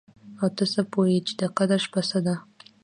او ته څه پوه يې چې د قدر شپه څه ده؟